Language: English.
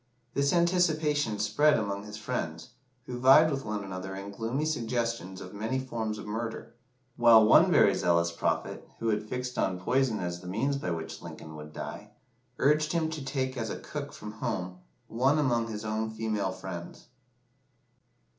This anticipation spread among his friends, who vied with one another in gloomy suggestions of many forms of murder while one very zealous prophet, who had fixed on poison as the means by which Lincoln would die, urged him to take as a cook from home "one among his own female friends."